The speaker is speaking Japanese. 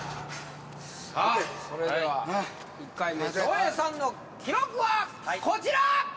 さぁそれでは１回目笑瓶さんの記録はこちら！